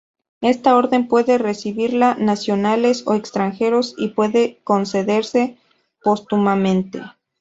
Esta orden pueden recibirla nacionales o extranjeros y puede concederse póstumamente.